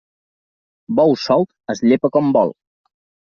Bou solt es llepa com vol.